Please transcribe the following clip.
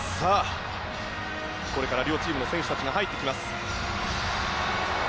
これから両チームの選手たちが入ってきます。